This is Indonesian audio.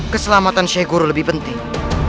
keselamatan sheikh guru lebih penting